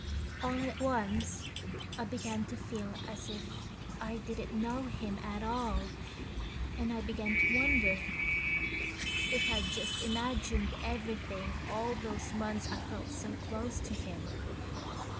All at once I began to feel as if I didn't know him at all and I began to wonder if I'd just imagined everything all those months I felt so close to him.